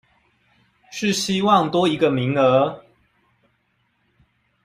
是希望多一個名額